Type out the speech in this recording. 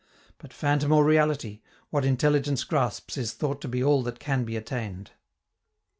But, phantom or reality, what intelligence grasps is thought to be all that can be attained.